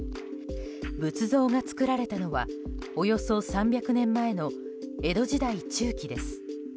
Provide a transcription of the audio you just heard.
仏像が作られたのはおよそ３００年前の江戸時代中期です。